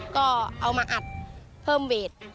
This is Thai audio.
ก็เอามาอัดเพิ่มเวท